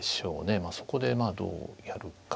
まあそこでどうやるか。